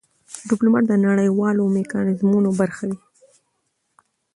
ډيپلومات د نړېوالو میکانیزمونو برخه وي.